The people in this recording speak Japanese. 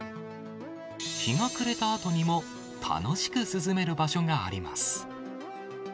日が暮れたあとにも楽しく涼める場所があります。